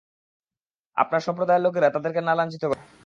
আপনার সম্প্রদায়ের লোকেরা তাদেরকে না লাঞ্ছিত করে!